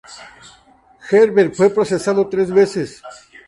Gerber fue procesado tres veces.